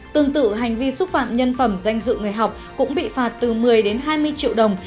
tương tự hành vi xúc phạm nhân phẩm danh dự người học cũng bị phạt từ một mươi đến hai mươi triệu đồng